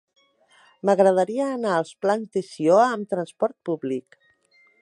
M'agradaria anar als Plans de Sió amb trasport públic.